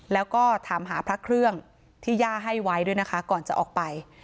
แล้วก็ถามหาพระเครื่องที่ย่าให้ไว้ด้วยนะคะก่อนจะออกไป